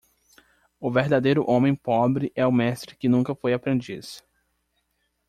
O verdadeiro homem pobre é o mestre que nunca foi aprendiz.